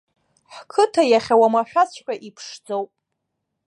Ҳқыҭа иахьа уамашәаҵәҟьа иԥшӡоуп.